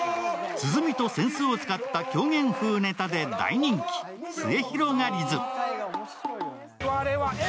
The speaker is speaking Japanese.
鼓と扇子を使った狂言風ネタで大人気、すゑひろがりず。